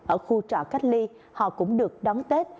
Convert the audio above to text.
ở khu trọ cách ly họ cũng được đón tết